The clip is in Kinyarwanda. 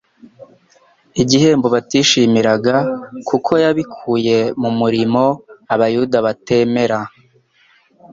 igihembo batishimiraga kuko yabikuye mu murimo abayuda batemera,